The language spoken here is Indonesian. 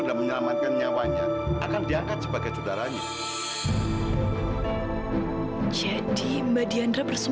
kamu adiknya mas arvino